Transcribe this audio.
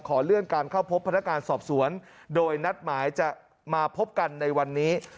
เลื่อนการเข้าพบพนักงานสอบสวนโดยนัดหมายจะมาพบกันในวันนี้